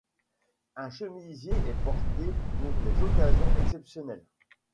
Un chemisier est porté pour les occasions exceptionnelles.